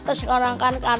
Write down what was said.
itu udah percubaan